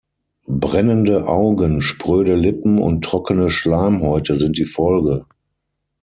Brennende Augen, spröde Lippen und trockene Schleimhäute sind die Folge.